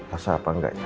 elsa apa enggaknya